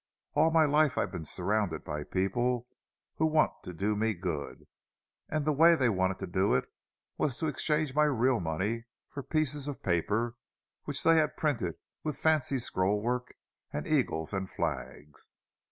All my life I've been surrounded by people who wanted to do me good; and the way they wanted to do it was to exchange my real money for pieces of paper which they'd had printed with fancy scroll work and eagles and flags.